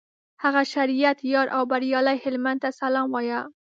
هغه شریعت یار او بریالي هلمند ته سلام وایه.